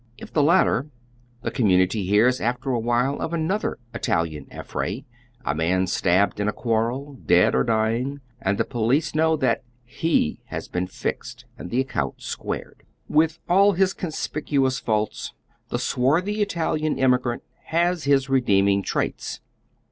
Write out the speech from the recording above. If tlie latter, tlie community hears after a wliile of another Italian affray, a man stabbed in a quarrel, dead or dying, and the police know that " he " has been fixed, and the ac count squared. With all his conspicuous faults, the swarthy Italian immigrant has his redeeming traits.